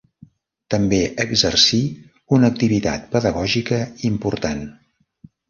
També exercí una activitat pedagògica important.